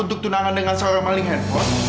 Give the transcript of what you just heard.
untuk tunangan dengan seorang maling handphone